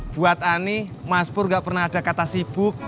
buat ani mas pur nggak pernah ada kata sibuk